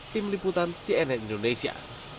tim liputan cnn indonesia